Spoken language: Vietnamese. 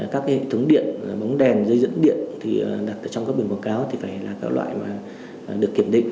các hệ thống điện bóng đèn dây dẫn điện đặt trong các biển quảng cáo phải là các loại được kiểm định